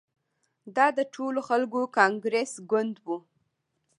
دا د ټولو خلکو کانګرس ګوند وو.